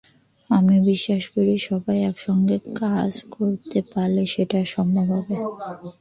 আমি বিশ্বাস করি, সবাই একসঙ্গে কাজ করতে পারলে সেটা সম্ভব হবে।